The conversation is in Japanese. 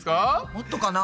もっとかな？